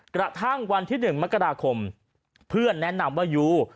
กระทั่งวันที่๑มกราคมเพื่อนแนะนำว่ายู